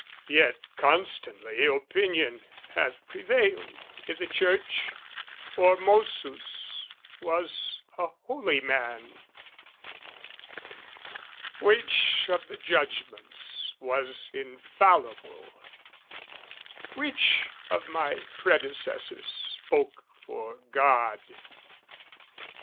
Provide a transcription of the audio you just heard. "Yet constantly opinion hath prevailed "I' the Church, Formosus was a holy man." Which of the judgments was infallible? Which of my predecessors spoke for God?